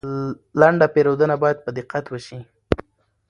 لنډه پیرودنه باید په دقت وشي.